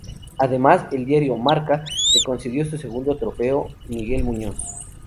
Además, el diario "Marca" le concedió su segundo Trofeo Miguel Muñoz.